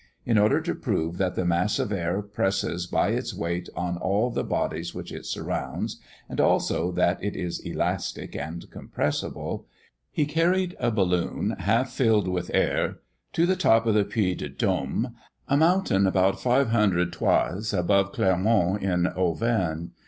In order to prove that the mass of air presses by its weight on all the bodies which it surrounds, and also that it is elastic and compressible, he carried a balloon, half filled with air, to the top of the Puy de Dome, a mountain about 500 toises above Clermont, in Auvergne.